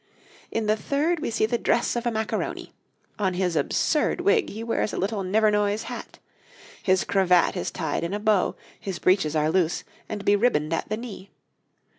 In the third we see the dress of a Macaroni. On his absurd wig he wears a little Nevernoise hat; his cravat is tied in a bow; his breeches are loose, and beribboned at the knee.